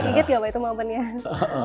dikit dikit ya pak itu momennya